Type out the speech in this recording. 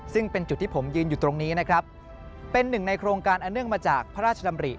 ซึ่งเป็นจุดที่ผมยืนอยู่ตรงนี้นะครับเป็นหนึ่งในโครงการอันเนื่องมาจากพระราชดำริ